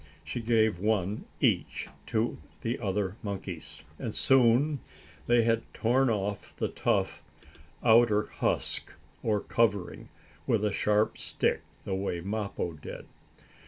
She gave one each to the other monkeys, and soon they had torn off the tough, outer husk, or covering, with a sharp stick, the way Mappo did.